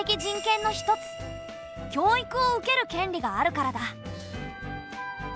教育を受ける権利があるからだ。